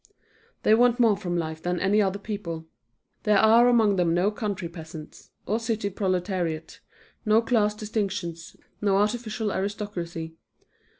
They want more from life than any other people. There are among them no country peasants, or city proletariat, no class distinctions, no artificial aristocracy.